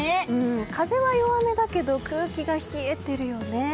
風は弱めだけど空気は冷えてるね。